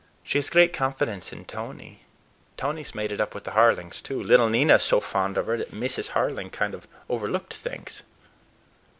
She has great confidence in Tony. Tony's made it up with the Harlings, too. Little Nina is so fond of her that Mrs. Harling kind of overlooked things."